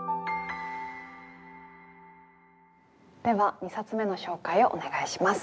では２冊目の紹介をお願いします。